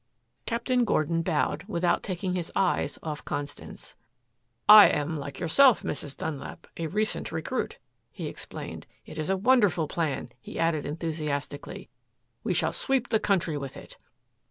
Captain Gordon bowed, without taking his eyes off Constance. "I am, like yourself, Mrs. Dunlap, a recent recruit," he explained. "It is a wonderful plan," he added enthusiastically. "We shall sweep the country with it."